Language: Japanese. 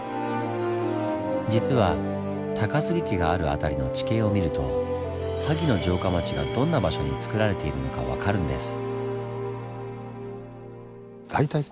実は高杉家がある辺りの地形を見ると萩の城下町がどんな場所につくられているのか分かるんです。